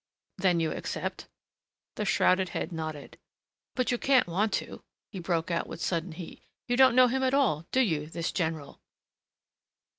"Then you accept ?" The shrouded head nodded. "But you can't want to," he broke out with sudden heat. "You don't know him at all, do you this general?"